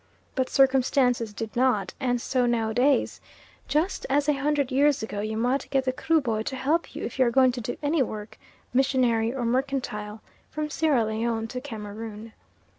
But circumstances did not, and so nowadays, just as a hundred years ago, you must get the Kruboy to help you if you are going to do any work, missionary or mercantile, from Sierra Leone to Cameroon.